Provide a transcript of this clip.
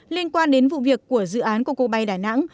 liên quan đến vụ việc của dự án của cô bay đà nẵng